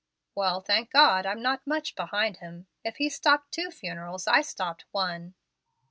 "Well, thank God, I'm not much behind him. If he stopped two funerals, I stopped one."